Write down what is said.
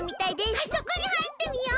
あそこにはいってみよう！